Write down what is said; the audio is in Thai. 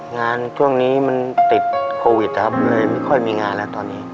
งานช่วงนี้มันติดโควิดครับเลยไม่ค่อยมีงานแล้วตอนนี้